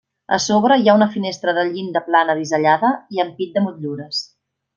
A sobre hi ha una finestra de llinda plana bisellada i ampit de motllures.